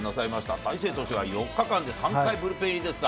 大勢投手は４日間で３回ブルペン入りですか。